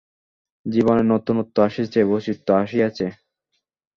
জীবনে নতুনত্ব আসিয়াছে, বৈচিত্র্য আসিয়াছে।